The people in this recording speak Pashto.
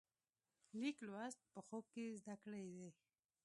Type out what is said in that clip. لیک لوست په خوب کې زده کړی دی.